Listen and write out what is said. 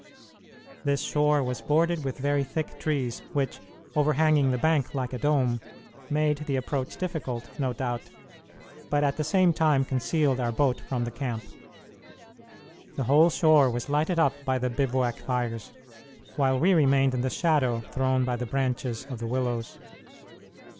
This shore was bordered with very thick trees, which, overhanging the bank like a dome, made the approach difficult, no doubt, but at the same time concealed our boat from the camp. The whole shore was lighted up by the bivouac fires, while we remained in the shadow thrown by the branches of the willows.